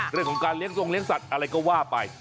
เรื่องของการเลี้ยทรงเลี้ยสัตว์อะไรก็ว่าไป